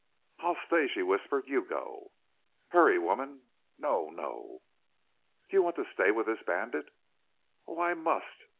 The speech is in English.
"I'll stay," she whispered. "You go!" "Hurry, woman!" "No! No!" "Do you want to stay with this bandit?" "Oh, I must!"